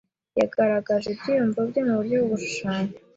Yagaragaje ibyiyumvo bye muburyo bwo gushushanya.